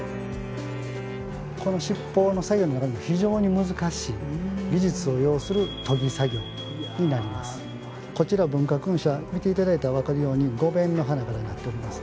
この七宝の作業の中で非常に難しい技術を要するこちら文化勲章は見て頂いたら分かるように５弁の花からなっております。